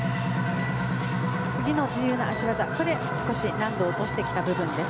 自由な脚技、少し難度を落としてきた部分です。